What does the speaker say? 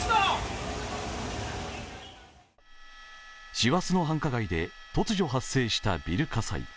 師走の繁華街で突如発生したビル火災。